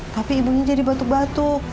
tapi ibunya jadi batuk batuk